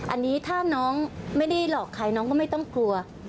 อันนี้ถ้าน้องไม่ได้หลอกใครน้องก็ไม่ต้องกลัว